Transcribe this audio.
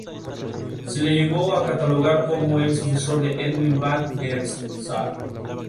Se le llegó a catalogar como el sucesor de Edwin van der Sar.